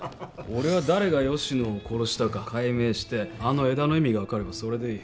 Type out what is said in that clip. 俺は誰が吉野を殺したか解明してあの枝の意味が分かればそれでいい。